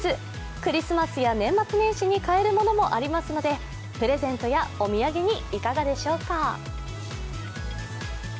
クリスマスや年末年始に買えるものもありますのでプレゼントやお土産にいかがでしょうか。